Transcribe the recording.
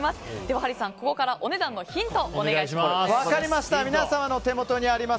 ハリーさんお値段のヒントをお願いします。